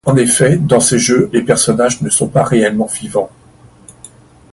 En effet, dans ces jeux, les personnages ne sont pas réellement vivants.